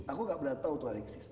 aku gak berat tau tuh alexis